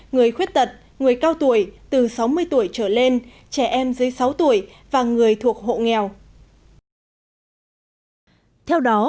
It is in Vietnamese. người khuyết tật người cao tuổi từ sáu mươi tuổi trở lên trẻ em dưới sáu tuổi và người thuộc hộ nghèo